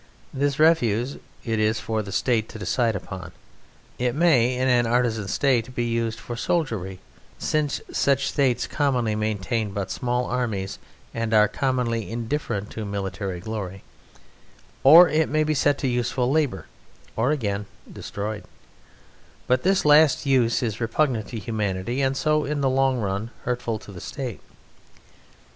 This refuse it is for the State to decide upon. It may in an artisan State be used for soldiery (since such States commonly maintain but small armies and are commonly indifferent to military glory), or it may be set to useful labour, or again, destroyed; but this last use is repugnant to humanity, and so in the long run hurtful to the State.